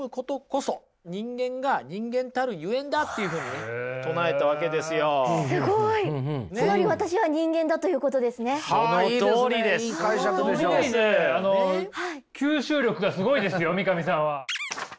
吸収力がすごいですよ三上さんは。